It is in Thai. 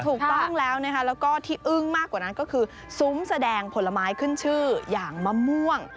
ถูกต้องแล้วนะคะแล้วก็ที่อึ้งมากกว่านั้นก็คือซุ้มแสดงผลไม้ขึ้นชื่ออย่างมะม่วง